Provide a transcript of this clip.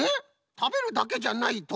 たべるだけじゃないとは？